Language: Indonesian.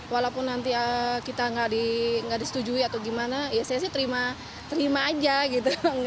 walaupun nanti kita nggak disetujui atau gimana ya saya sih terima aja gitu